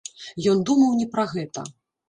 Ён думаў не пра гэта.